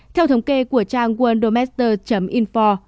theo thống kê của trang worldometers info